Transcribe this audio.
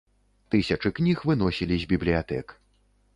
Тысячы кніг выносілі з бібліятэк.